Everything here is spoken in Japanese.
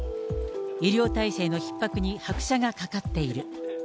医療体制のひっ迫に拍車がかかっている。